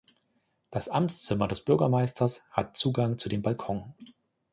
Das Amtszimmer des Bürgermeisters hat Zugang zu dem Balkon.